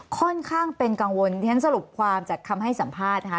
ค่อนข้างเป็นกังวลที่ฉันสรุปความจากคำให้สัมภาษณ์นะคะ